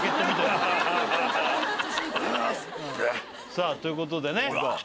さあということでね